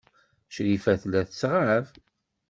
Crifa tella tettɣab.